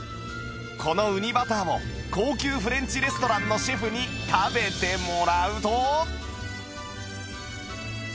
このうにバターを高級フレンチレストランのシェフに食べてもらうと